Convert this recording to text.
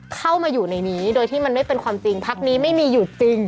เข้ามาอยู่ในนี้โดยที่มันไม่เป็นความจริงพักนี้ไม่มีอยู่จริง